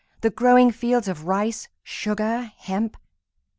the growing fields of rice, sugar, hemp!